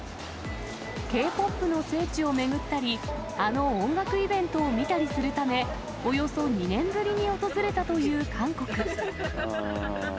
Ｋ−ＰＯＰの聖地を巡ったり、あの音楽イベントを見たりするため、およそ２年ぶりに訪れたという韓国。